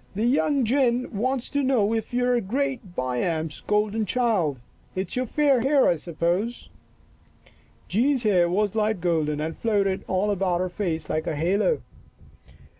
" The young gin wants to know if you are Great Baiame's golden child. It's your fair hair, I suppose." Jean's hair was light golden and floated all about her face like a halo.